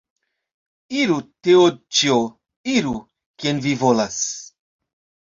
Iru, Teodĉjo, iru, kien vi volas!